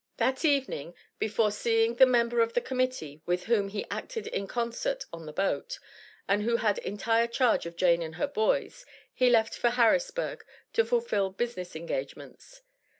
That evening, before seeing the member of the Committee, with whom he acted in concert on the boat, and who had entire charge of Jane and her boys, he left for Harrisburg, to fulfill business engagements.